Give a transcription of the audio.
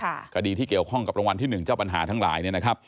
พวกเขาเข้ากับรังวัล๑เจ้าบัญหาทั้งหลาย